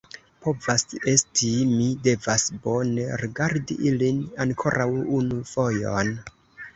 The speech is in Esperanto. Povas esti; mi devas bone rigardi ilin ankoraŭ unu fojon.